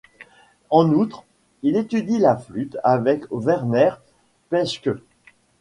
En outre, il étudie la flûte avec Werner Peschke.